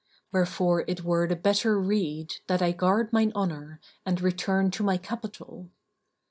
Wherefore it were the better rede that I guard mine honour and return to my capital."